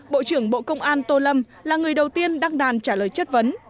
bộ trưởng bộ công an tô lâm là người đầu tiên đăng đàn trả lời chất vấn